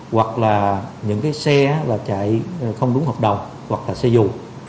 hoặc là những xe chạy không đúng hợp đồng hoặc là xe dù